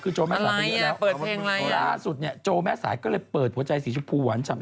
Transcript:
คือโจแม่สายอะไรอ่ะเปิดเพลงอะไรอย่างพระราชสุดเนี่ยโจแม่สายก็เลยเปิดหัวใจสีชภูวัญ